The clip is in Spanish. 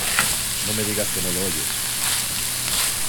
no me digas que no lo oyes.